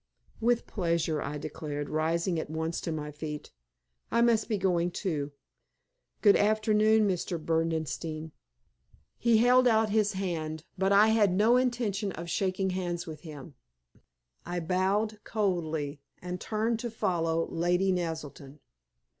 "With pleasure," I declared, rising at once to my feet; "I must be going too. Good afternoon, Mr. Berdenstein." He held out his hand, but I had no intention of shaking hands with him. I bowed coldly, and turned to follow Lady Naselton.